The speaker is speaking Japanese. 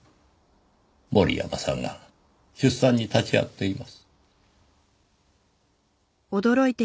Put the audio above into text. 森山さんが出産に立ち会っています。